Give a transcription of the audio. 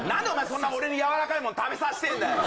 そんな俺に軟らかいもん食べさせてえんだよ